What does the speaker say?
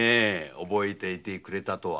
覚えていてくれたとは。